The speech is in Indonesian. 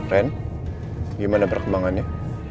ren gimana perkembangannya